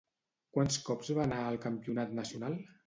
Quants cops va anar al Campionat Nacional?